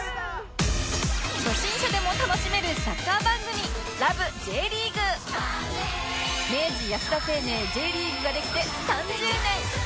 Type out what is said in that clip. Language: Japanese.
初心者でも楽しめるサッカー番組明治安田生命 Ｊ リーグができて３０年！